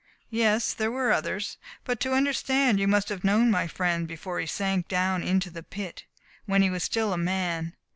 "Yes, there were others. But to understand you must have known my friend before he sank down into the pit when he was still a man.